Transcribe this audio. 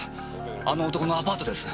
あの男のアパートです。